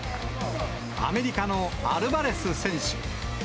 アメリカのアルバレス選手。